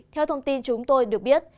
theo thông tin chúng tôi được biết